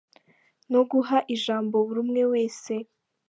No guha ijambo buri umwe wese.